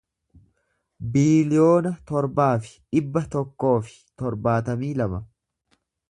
biiliyoona torbaa fi dhibba tokkoo fi torbaatamii lama